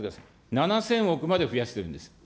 ７０００億まで増やしてるんです。